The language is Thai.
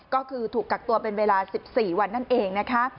ก็คือถูกกักตัวเป็นเวลา๑๔วันนั่นเองนะคะ